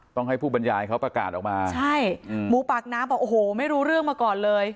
ต้องให้ผู้บรรยายเขาประกาศออกมาใช่หมูปากน้ำบอกโอ้โหไม่รู้เรื่องมาก่อนเลย